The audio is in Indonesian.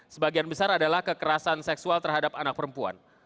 sebagian besar adalah kekerasan seksual terhadap anak perempuan